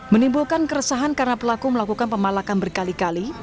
menimbulkan keresahan karena pelaku melakukan pemalakan berkali kali